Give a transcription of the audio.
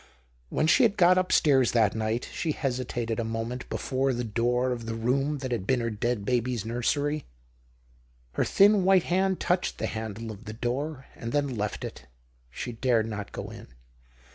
AVhen she had got upstairs that night, she hesitated a moment before the door of the room that had been her dead baby's nursery. THE OCTAVE OF CLAUDIUS. 95 Her thin white hand touched the handle of the door and then left it. 8he dared not go in.